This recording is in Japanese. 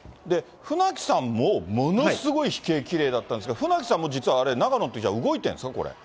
船木さんも、ものすごい飛型、きれいだったんですけど、船木さんも実はあのとき、長野のときは動いてるんですか？